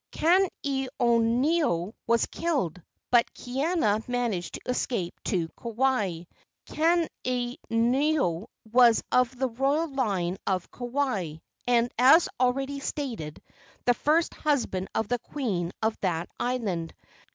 Kaneoneo was killed, but Kaiana managed to escape to Kauai. Kaneoneo was of the royal line of Kauai, and, as already stated, the first husband of the queen of that island.